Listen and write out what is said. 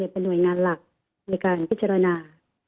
เป็นหน่วยงานหลักในการพิจารณา